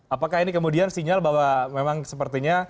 apakah ini kemudian sinyal bahwa memang sepertinya